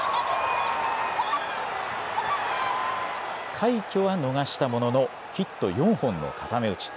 快挙は逃したもののヒット４本の固め打ち。